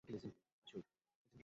এসব করবে না।